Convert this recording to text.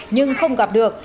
nhưng không gặp được